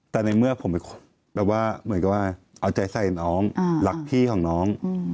แต่ในเมื่อผมเอาใจใส่น้องรักพี่ของน้อง